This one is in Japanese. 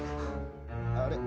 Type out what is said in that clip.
あれ？